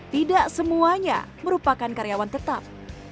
tidak semuanya merupakan karyawan tetap